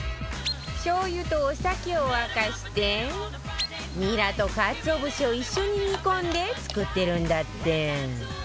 しょう油とお酒を沸かしてニラとかつお節を一緒に煮込んで作ってるんだって